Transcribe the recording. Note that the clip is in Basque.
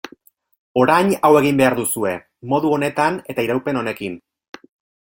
Orain hau egin behar duzue, modu honetan eta iraupen honekin.